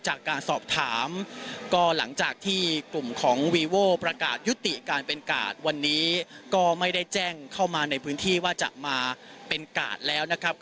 จากการสอบถามก็หลังจากที่กลุ่มของวีโว้ประกาศยุติการเป็นกาดวันนี้ก็ไม่ได้แจ้งเข้ามาในพื้นที่ว่าจะมาเป็นกาดแล้วนะครับ